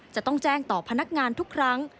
จะต้องแจ้งต่อพนักงานทุกครั้ง